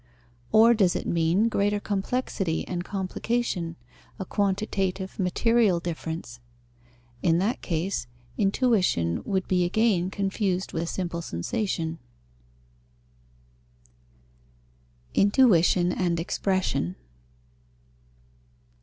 Or does it mean greater complexity and complication, a quantitative, material difference? In that case intuition would be again confused with simple sensation. _Intuition and expression.